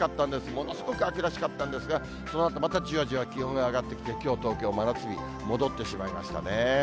ものすごく秋らしかったんですが、そのあとまたじわじわ気温が上がってきて、きょう東京、真夏日、戻ってしまいましたね。